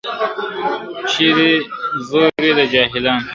چیري چي زور وي د جاهلانو !.